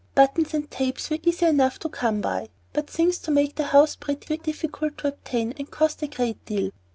Buttons and tapes were easy enough to come by; but things to make the house pretty were difficult to obtain and cost a great deal.